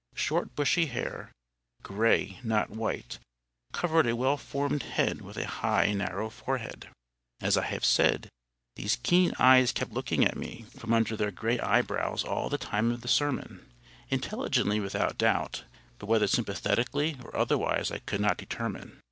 Short bushy hair, gray, not white, covered a well formed head with a high narrow forehead. As I have said, those keen eyes kept looking at me from under their gray eyebrows all the time of the sermon—intelligently without doubt, but whether sympathetically or otherwise I could not determine.